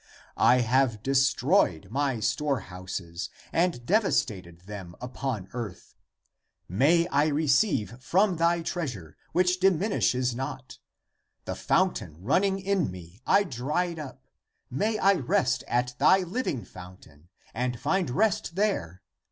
I have de stroyed my storehouses and devastated them upon earth ; may I receive from thy treasure, which di minishes not ! The fountain running in me I dried up; may I rest at thy living fountain and find rest 346 THE APOCRYPHAL ACTS there!